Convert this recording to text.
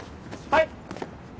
はい。